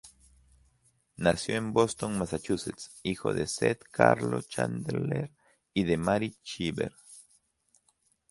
Nació en Boston, Massachusetts, hijo de Seth Carlo Chandler y de Mary Cheever.